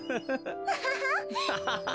ハハハハ。